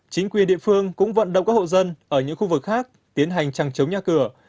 chính quyền địa phương cũng vận động các hộ dân ở những khu vực khác tiến hành trăng chống nhà cửa